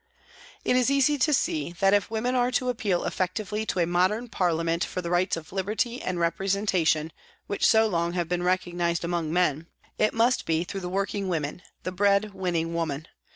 It is easy to see that if women are to appeal effectively to a modern parliament for the rights of liberty and representation which so long have been recognised among men, it must be through the working women, the bread winning woman.